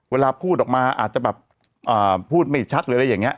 เวลาพูดออกมาอาจจะแบบพูดไม่ชัดหรืออะไรอย่างนี้